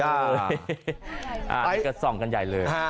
อันนี้ก็ส่องกันใหญ่เลย